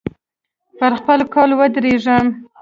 پر خپل قول ودرېږم.